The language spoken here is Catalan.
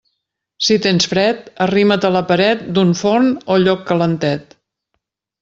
Si tens fred, arrima't a la paret d'un forn o lloc calentet.